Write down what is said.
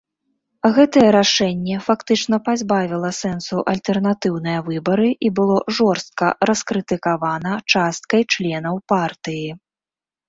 Гэтае рашэнне фактычна пазбавіла сэнсу альтэрнатыўныя выбары і было жорстка раскрытыкавана часткай членаў партыі.